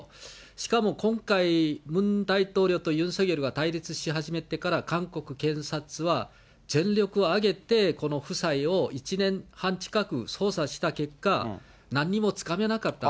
しかも今回、ムン大統領とユン・ソギョルが対立し始めてから、韓国検察は全力を挙げて、この夫妻を１年半近く捜査した結果、なんにもつかめなかった。